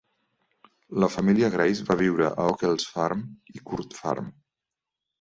La família Grace va viure a Okells Farm i Court Farm.